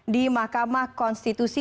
di makamah konstitusi